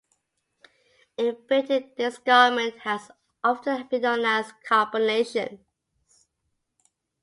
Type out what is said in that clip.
In Britain, this garment has often been known as "combinations".